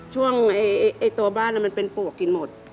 ช่วงตัวบ้านมันเป็นปวกกินหมด